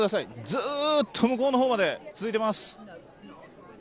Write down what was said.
ずっと向こうの方まで続いてます